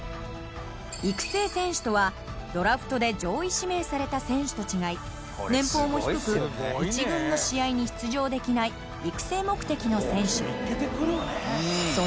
育成選手とはドラフトで上位指名された選手と違い年俸も低く１軍の試合に出場できない育成目的の選手。